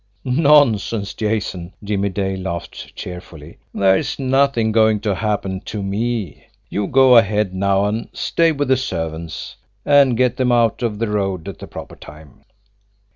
"Nonsense, Jason!" Jimmie Dale laughed cheerfully. "There's nothing going to happen to me! You go ahead now and stay with the servants, and get them out of the road at the proper time."